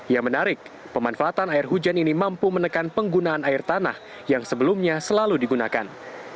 yang menarik pemanfaatan air hujan ini mampu menekan penggunaan air tanah yang sebelumnya selalu digunakan